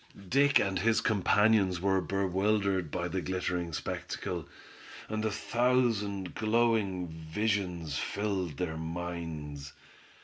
Dick and his companions, were bewildered by the glittering spectacle, and a thousand glowing visions filled their minds.